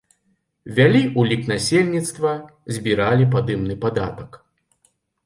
Вялі ўлік насельніцтва, збіралі падымны падатак.